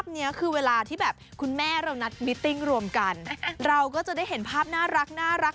ก็มีมีทายาทหมดแล้วอ่ะเหลืออีกสามคนอ่ะคุณค่ะ